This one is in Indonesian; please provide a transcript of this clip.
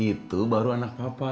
itu baru anak papa